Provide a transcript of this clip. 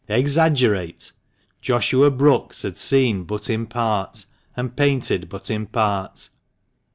Exaggerate ! Joshua Brookes had seen but in part, and painted but in part.